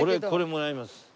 俺これもらいます。